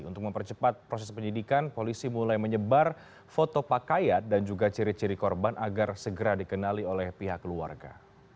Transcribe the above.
untuk mempercepat proses penyidikan polisi mulai menyebar foto pakaian dan juga ciri ciri korban agar segera dikenali oleh pihak keluarga